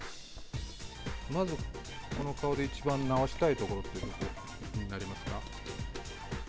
まずこの顔で一番直したいところってどこになりますか？